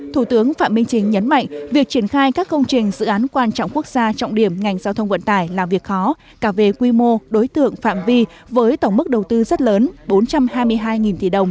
thủ tướng phạm minh chính nhấn mạnh việc triển khai các công trình dự án quan trọng quốc gia trọng điểm ngành giao thông vận tải là việc khó cả về quy mô đối tượng phạm vi với tổng mức đầu tư rất lớn bốn trăm hai mươi hai tỷ đồng